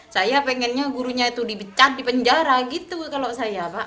saya pengennya gurunya itu dipecat di penjara gitu kalau saya pak